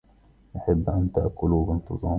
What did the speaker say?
يجب أن تأكلوا بانتظام